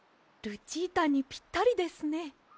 ルチータにぴったりですね。